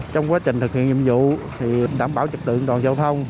trong quá trình thực hiện nhiệm vụ thì đảm bảo trực tượng đoàn giao thông